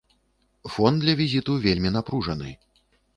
Фон для візіту вельмі напружаны.